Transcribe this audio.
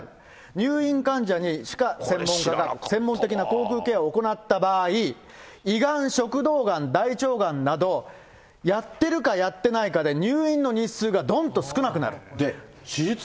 入院患者にしか専門家が専門的な口腔ケアを行った場合、胃がん、食道がん、大腸がんなど、やってるかやってないかで、入院の日数がどんと少なくなる。